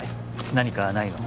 何かないの？